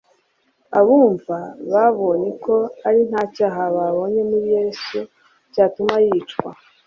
abumva babonye ko ari nta cyaha babonye muri Yesu cyatuma yicwa.